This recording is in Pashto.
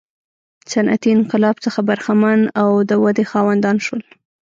صنعتي انقلاب څخه برخمن او د ودې خاوندان شول.